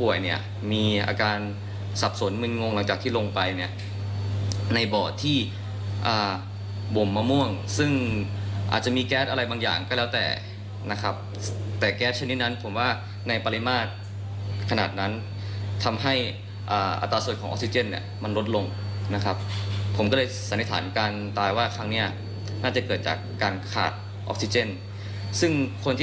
ออกซิเจนซึ่งคนที่ขาดออกซิเจน